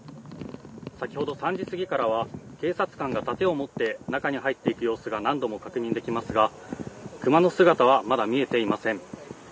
先ほど３時すぎからは警察官がたてを持って中に入っていく様子が何度も確認できますが熊の姿はまだ見えていません。